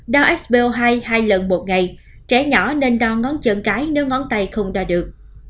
đau xo hai hai lần một ngày trẻ nhỏ nên đo ngón chân cái nếu ngón tay không đo được